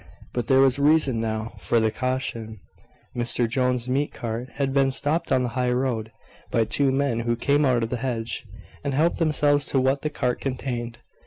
But there was reason now for the caution. Mr Jones's meat cart had been stopped on the high road, by two men who came out of the hedge, and helped themselves to what the cart contained.